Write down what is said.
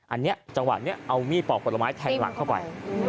อันนี้จังหวะนี้เอามีดปอกผลไม้แทงหลังเข้าไป